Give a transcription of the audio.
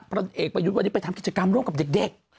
ผลเอกประยุทธ์วันนี้ไปทำกิจกรรมร่วมกับเด็ก